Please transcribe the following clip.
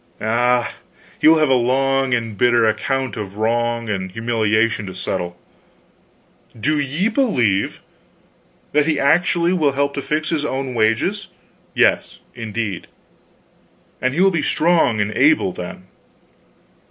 Ah, he will have a long and bitter account of wrong and humiliation to settle." "Do ye believe " "That he actually will help to fix his own wages? Yes, indeed. And he will be strong and able, then."